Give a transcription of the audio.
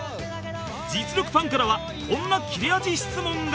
実力ファンからはこんな切れ味質問が